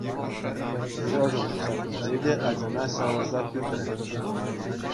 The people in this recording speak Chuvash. Сережа утса пычӗ те ачана ҫавӑрса тытрӗ.